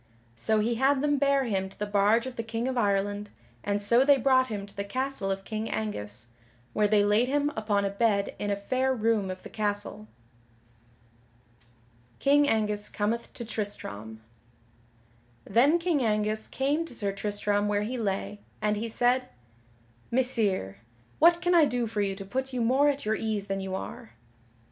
So he had them bare him to the barge of the King of Ireland, and so they brought him to the castle of King Angus, where they laid him upon a bed in a fair room of the castle. [Sidenote: King Angus cometh to Tristram] Then King Angus came to Sir Tristram where he lay, and he said: "Messire what can I do for you to put you more at your ease than you are?"